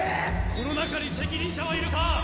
この中に責任者はいるか？